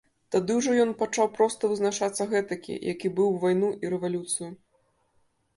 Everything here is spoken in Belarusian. Тады ўжо ён пачаў проста вызначацца гэтакі, які быў у вайну і рэвалюцыю.